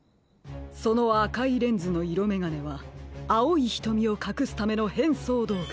そのあかいレンズのいろめがねはあおいひとみをかくすためのへんそうどうぐ。